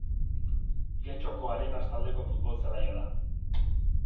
Getxoko Arenas taldeko futbol zelaia da.